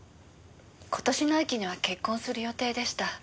今年の秋には結婚する予定でした。